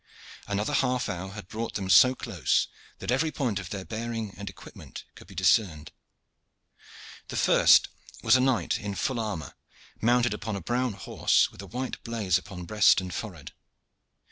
Another half hour had brought them so close that every point of their bearing and equipment could be discerned. The first was a knight in full armor, mounted upon a brown horse with a white blaze upon breast and forehead.